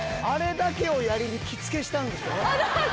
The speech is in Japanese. あれだけをやりに着付けしたんでしょ？